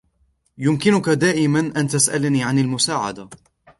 يمكنكِ دائماً أن تسأليني عن المساعدة.